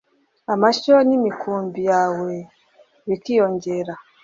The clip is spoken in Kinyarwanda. amashyo n’imikumbi yawe bikiyongera,